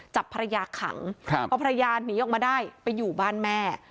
จับภรรยาขังพอภรรยาหนีออกมาได้ไปอยู่บ้านแม่